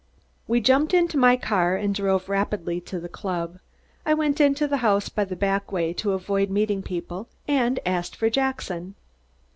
We jumped into my car and drove rapidly to the club. I went into the house by the back way to avoid meeting people and asked for Jackson.